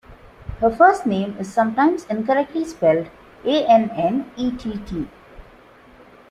Her first name is sometimes incorrectly spelled "Annett.